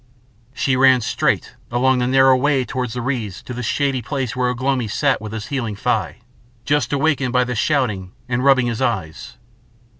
She ran straight along the narrow way through the reeds to the shady place where Ugh lomi sat with his healing thigh, just awakened by the shouting and rubbing his eyes.